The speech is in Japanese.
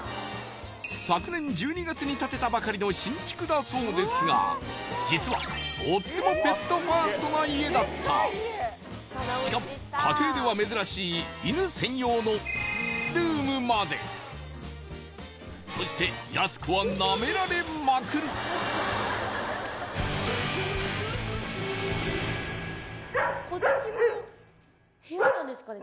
昨年１２月に建てたばかりの新築だそうですが実はとってもペットファーストな家だったしかも家庭では珍しい犬専用の○○ルームまでそしてやす子はなめられまくるこっちも部屋なんですかね